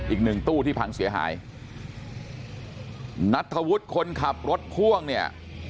อีกหนึ่งตู้ที่พังเสียหายนัทธวุฒิคนขับรถพ่วงเนี่ย